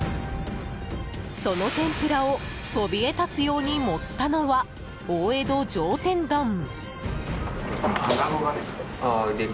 その天ぷらをそびえ立つように盛ったのは大江戸上天丼！